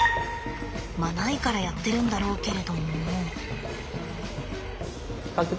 まあないからやってるんだろうけれども。